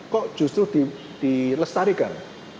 kok justru dilestarikan